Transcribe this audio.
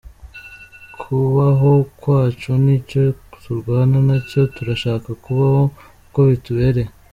Kubaho kwacu ni cyo turwana nacyo turashaka kubaho uko bitubereye.